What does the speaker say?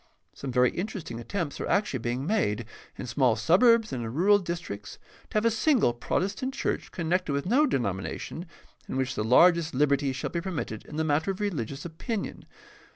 Some very interesting attempts are actually being made, in small suburbs and in rural districts, to have a single Protestant church connected with no denomination in which the largest liberty shall be permitted in the matter of religious opinion.